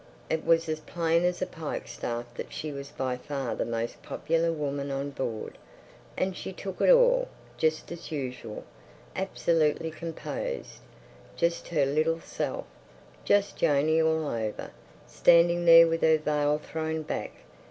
It was as plain as a pikestaff that she was by far the most popular woman on board. And she took it all—just as usual. Absolutely composed. Just her little self—just Janey all over; standing there with her veil thrown back.